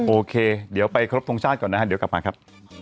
โอเคเดี๋ยวไปครบทรงชาติก่อนนะฮะเดี๋ยวกลับมาครับ